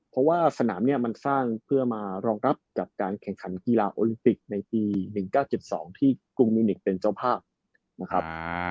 เพราะว่าสนามเนี่ยมันสร้างเพื่อมารองรับกับการแข่งขันกีฬาโอลิมปิกในปี๑๙๗๒ที่กรุงมิวนิกเป็นเจ้าภาพนะครับ